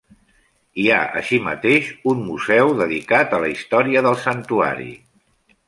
Hi ha, així mateix, un museu dedicat a la història del santuari.